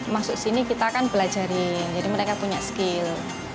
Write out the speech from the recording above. masuk sini kita akan belajarin jadi mereka punya skill